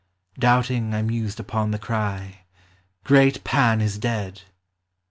Doubting I mused upon the cry, " Great Pan is dead !